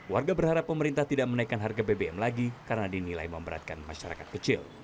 warga berharap pemerintah tidak menaikkan harga bbm lagi karena dinilai memberatkan masyarakat kecil